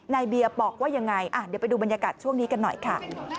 เบียบอกว่ายังไงเดี๋ยวไปดูบรรยากาศช่วงนี้กันหน่อยค่ะ